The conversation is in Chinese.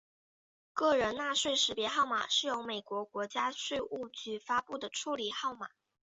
个人纳税识别号码是由美国国家税务局发布的处理号码。